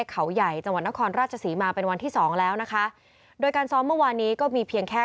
เขาใหญ่จังหวัดนครราชศรีมาเป็นวันที่สองแล้วนะคะโดยการซ้อมเมื่อวานนี้ก็มีเพียงแค่